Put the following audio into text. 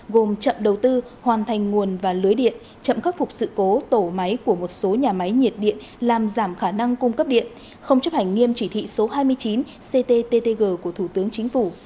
gồm chậm đầu tư hoàn thành nguồn và lưới điện chậm khắc phục sự cố tổ máy của một số nhà máy nhiệt điện làm giảm khả năng cung cấp điện không chấp hành nghiêm chỉ thị số hai mươi chín cttg của thủ tướng chính phủ